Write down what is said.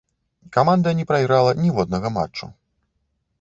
Каманда не прайграла ніводнага матчу.